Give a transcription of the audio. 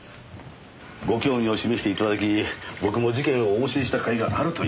ご興味を示して頂き僕も事件をお教えした甲斐があるというものです。